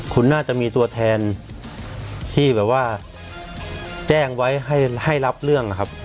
คุณน่าจะมีตัวแทนที่แบบว่าแจ้งไว้ให้รับเรื่องนะครับ